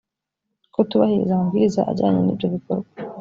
kutubahiriza amabwiriza ajyanye n’ibyo bikorwa